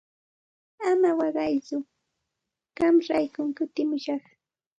Ama waqaytsu qamraykum kutimushaq.